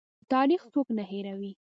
تاریخ څوک نه هیروي؟